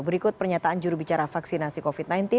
berikut pernyataan jurubicara vaksinasi covid sembilan belas